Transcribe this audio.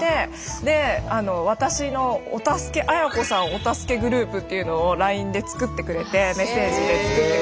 お助けグループ」っていうのをラインで作ってくれてメッセージで作ってくれて。